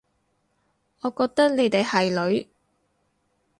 我覺得你哋係女